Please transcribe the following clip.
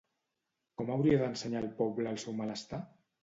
Com hauria d'ensenyar el poble el seu malestar?